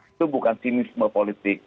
itu bukan sinisme politik